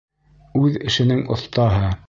Үҙ эшенең оҫтаһы.